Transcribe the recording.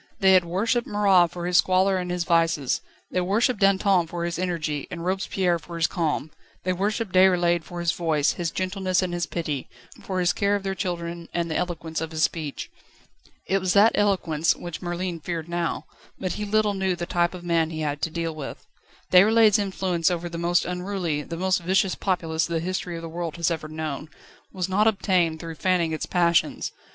They had worshipped Marat for his squalor and his vices; they worshipped Danton for his energy and Robespierre for his calm; they worshipped Déroulède for his voice, his gentleness and his pity, for his care of their children and the eloquence of his speech. It was that eloquence which Merlin feared now; but he little knew the type of man he had to deal with. Déroulède's influence over the most unruly, the most vicious populace the history of the world has ever known, was not obtained through fanning its passions.